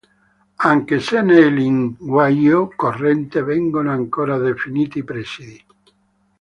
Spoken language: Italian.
Anche se nel linguaggio corrente vengono ancora definiti presidi.